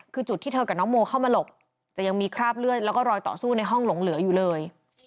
คือจุดที่เธอกับน้องโมเข้ามาหลบแต่ยังมีคราบเลือดแล้วก็รอยต่อสู้ในห้องหลงเหลืออยู่เลย